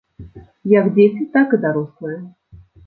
Як дзеці, так і дарослыя.